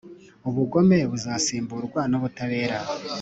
Ubugome buzasimburwa n’ubutabera